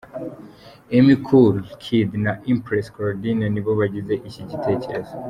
Emmy Kul Kid na Empress Claudine nibo bagize iki gitekerezo.